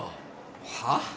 はあ？